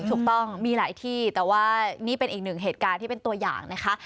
ถูกต้องมีหลายที่แต่ว่านี่เป็นอีกหนึ่งเหตุการณ์ที่เป็นตัวอย่างนะคะ